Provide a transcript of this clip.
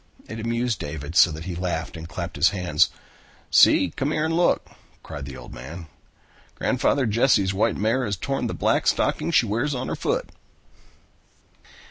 It amused David so that he laughed and clapped his hands. "See, come here and look," cried the old man. "Grandfather Jesse's white mare has torn the black stocking she wears on her foot."